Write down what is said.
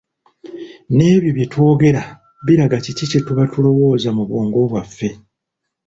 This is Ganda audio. Nebyo bye twogera biraga kiki kye tuba tulowooza mu bwongo bwaffe.